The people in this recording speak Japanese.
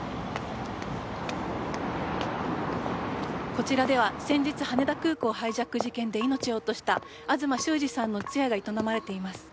こちらでは先日羽田空港ハイジャック事件で命を落とした東修二さんの通夜が営まれています。